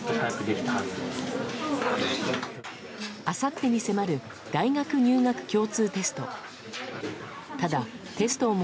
あさってに迫る大学入学共通テスト。